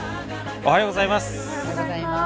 おはようございます。